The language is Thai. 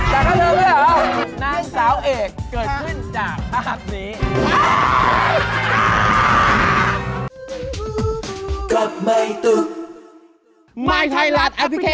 เฮ้ยแต่ค่าเพิร์มไม่ได้หรอก